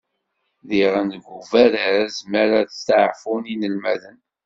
Diɣen deg ubaraz, mi ara steɛfun yinelmaden.